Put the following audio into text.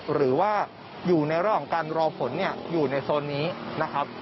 หรือว่าอยู่ในระหว่างการรอฝนอยู่ในโซนนี้นะครับ